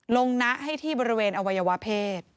ณให้ที่บริเวณอวัยวะเพศ